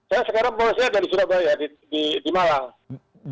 saya sekarang polisnya ada di surabaya di malang